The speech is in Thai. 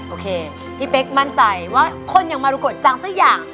โอเคพี่เป๊กมั่นใจว่าคนยังมารุกฎจังสักอย่าง